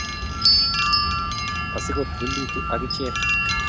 Asikotiilitu akiche